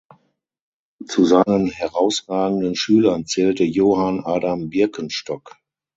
Zu seinen herausragenden Schülern zählte Johann Adam Birkenstock.